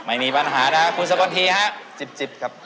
ไม่มีปัญหานะฮะคุณสกนทีฮะ